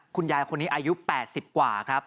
คุณยายคนนี้อายุ๘๐กว่าครับ